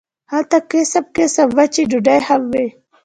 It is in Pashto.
هلته قسم قسم وچې ډوډۍ هم وې.